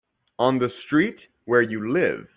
On the street where you live.